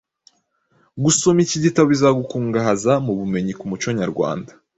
Gusoma iki gitabo bizagukungahaza mu bumenyi ku muco nyarwanda